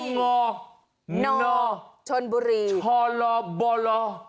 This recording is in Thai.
โง่โง่โน่ชนบุรีชอลอบอลอ